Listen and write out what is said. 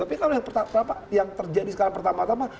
tapi kalau yang terjadi sekarang pertama tama